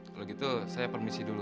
kalau gitu saya permisi dulu